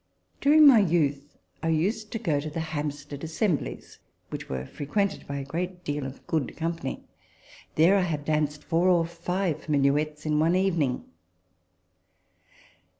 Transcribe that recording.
During my youth I used to go to the Hampstead Assemblies, which were frequented by a great deal of good company. There I have danced four or five minuets in one evening.